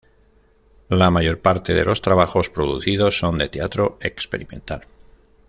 La mayor parte de los trabajos producidos son de teatro experimental.